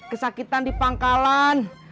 kesakitan di pangkalan